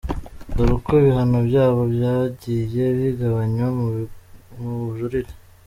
Dore uko ibihano byabo byagiye bigabanywa mu bujurire:.